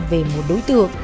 về một đối tượng